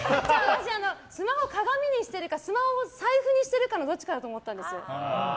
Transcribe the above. スマホを鏡にしてるかスマホを財布にしているかのどっちかだと思ったんです。